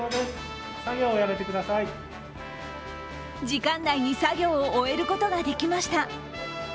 時間内に作業を終えることができました。